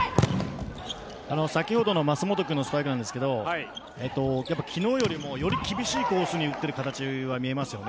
先ほどの舛本君のスパイクなんですが昨日よりもより厳しいコースに打っている形は見えますよね。